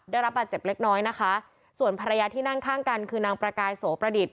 ได้รับบาดเจ็บเล็กน้อยนะคะส่วนภรรยาที่นั่งข้างกันคือนางประกายโสประดิษฐ